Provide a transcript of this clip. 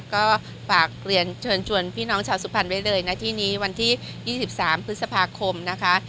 ก็ฝากเรียนเชิญชวนพี่น้องชาวสุพรรณไว้เลยนะที่นี้วันที่๒๓พฤษภาคมนะคะ